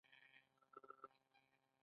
د کاپیسا او پروان چهارمغز مشهور دي